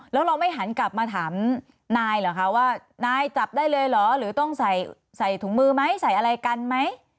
แล้วเราไม่หันกลับมาถามนายเหรอคะว่านายจับได้เลยเหรอหรือต้องใส่ถุงมือไหมใส่อะไรกันไหม